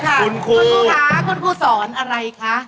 คุณครูคะคุณครูสอนอะไรคะ